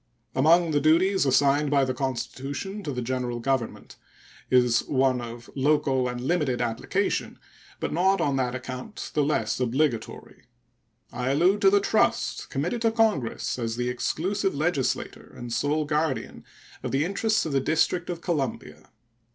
Among the duties assigned by the Constitution to the General Government is one of local and limited application, but not on that account the less obligatory. I allude to the trust committed to Congress as the exclusive legislator and sole guardian of the interests of the District of Columbia.